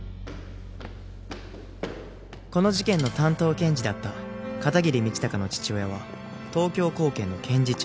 この事件の担当検事だった片桐道隆の父親は東京高検の検事長。